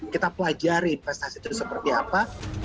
kita pelajari prestasi itu seperti apa